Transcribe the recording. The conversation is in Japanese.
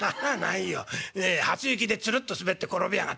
「いやいや初雪でツルッと滑って転びやがってね